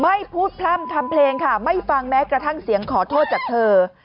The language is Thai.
ไม่พูดพร่ำทำเพลงค่ะไม่ฟังแม้กระทั่งเสียงขอโทษจากเธอ